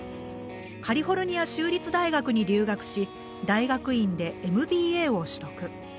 カリフォルニア州立大学に留学し大学院でＭＢＡを取得。